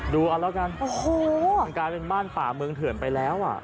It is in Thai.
ดูเอาแล้วกันโอ้โหมันกลายเป็นบ้านป่าเมืองเถื่อนไปแล้วอ่ะ